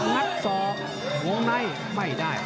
งัดสอบหัวไนไม่ได้